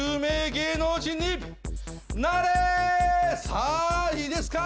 さあいいですか。